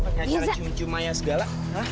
pakai cara cium cium maya segala